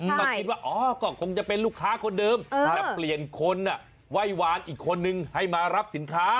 ก็คิดว่าอ๋อก็คงจะเป็นลูกค้าคนเดิมแต่เปลี่ยนคนไหว้วานอีกคนนึงให้มารับสินค้า